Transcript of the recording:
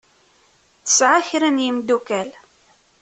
Tesɛa kra n yemdukal.